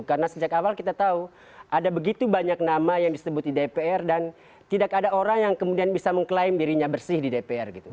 karena sejak awal kita tahu ada begitu banyak nama yang disebut di dpr dan tidak ada orang yang kemudian bisa mengklaim dirinya bersih di dpr gitu